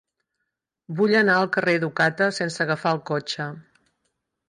Vull anar al carrer d'Ocata sense agafar el cotxe.